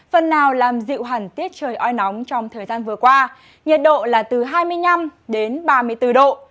phần nào làm dịu hẳn tiết trời oi nóng trong thời gian vừa qua nhiệt độ là từ hai mươi năm đến ba mươi bốn độ